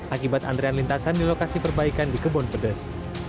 akibat andrean lintasan di lokasi perbaikan di kebon beres